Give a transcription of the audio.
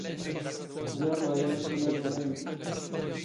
ⴷⴰⵔⵏⵖ ⵢⴰⵏ ⵓⵙⵍⵎⴰⴷ ⴰⵎⴰⵢⵏⵓ.